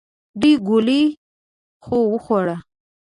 دوې ګولې خو وخوره !